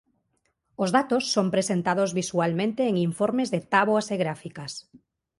Os datos son presentados visualmente en informes de táboas e gráficas.